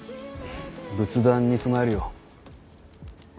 仏壇に供えるよ。